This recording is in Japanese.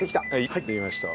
はいできました。